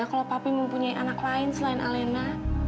kalau papi mempunyai anak lain selain alena